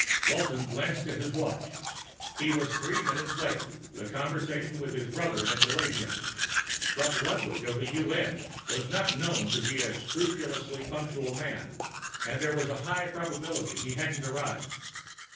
Walton glanced at his watch. He was three minutes late; the conversation with his brother had delayed him. But Ludwig of the UN was not known to be a scrupulously punctual man, and there was a high probability he hadn't arrived.